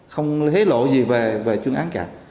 không hế lộ gì về chuyên án cả